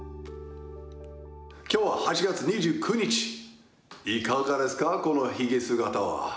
きょうは８月２９日、いいがですか、このひげ姿は。